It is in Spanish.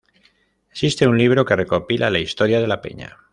Existe un libro que recopila la historia de la peña.